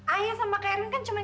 ayah sama kak erwin kan cuman